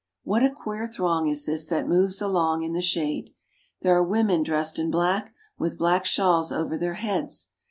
What a queer throng is this that moves along in the shade ! There are women dressed in black, with black shawls over their heads.